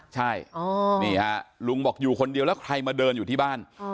ใช่นี่ฮะลุงบอกอยู่คนเดียวแล้วใครมาเดินอยู่ที่บ้าน